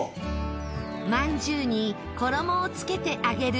まんじゅうに衣をつけて揚げる